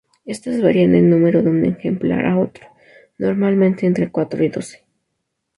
Estas varían en número de un ejemplar a otro, normalmente entre cuatro y doce.